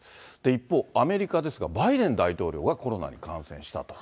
一方、アメリカですが、バイデン大統領がコロナに感染したと。